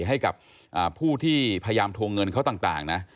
ให้กับผู้ที่พยายามทวงเงินเขาต่างนะ